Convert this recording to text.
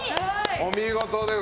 お見事です。